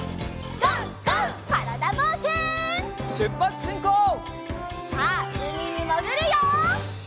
さあうみにもぐるよ！